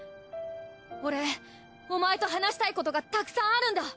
俺お前と話したいことがたくさんあるんだ。